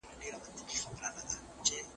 څېړونکي د هېواد د ودي لپاره کار کوي.